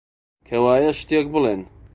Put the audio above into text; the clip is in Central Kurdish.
کەوایە، شتێک بڵێن!